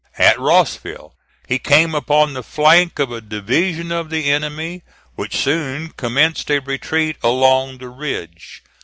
At Rossville he came upon the flank of a division of the enemy, which soon commenced a retreat along the ridge.